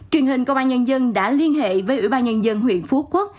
truyền hình công an nhân dân đã liên hệ với ủy ban nhân dân huyện phú quốc